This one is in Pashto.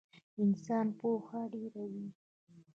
انسان پوهه ډېروي